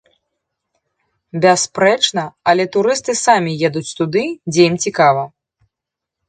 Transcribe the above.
Бясспрэчна, але турысты самі едуць туды, дзе ім цікава.